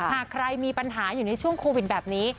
หากใครมีปัญหาอยู่ในช่วงโควิดแบบนี้